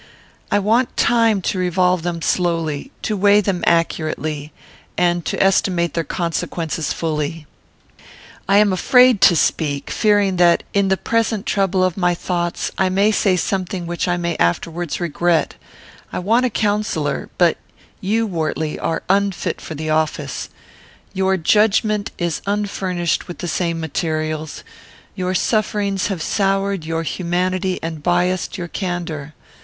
I want time to revolve them slowly, to weigh them accurately, and to estimate their consequences fully. I am afraid to speak; fearing that, in the present trouble of my thoughts, I may say something which I may afterwards regret, I want a counsellor; but you, Wortley, are unfit for the office. Your judgment is unfurnished with the same materials; your sufferings have soured your humanity and biassed your candour.